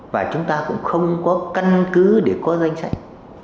và chúng ta cũng không có căn cứ để có danh sách